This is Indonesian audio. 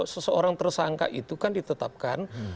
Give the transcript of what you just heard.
seseorang tersangka itu kan ditetapkan